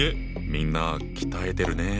みんな鍛えてるね。